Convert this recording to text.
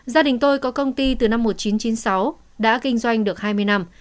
gia đình tôi có công ty từ năm một nghìn chín trăm chín mươi sáu đã kinh doanh được hai mươi năm